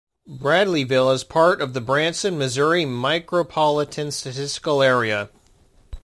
Bradleyville is part of the Branson, Missouri Micropolitan Statistical Area.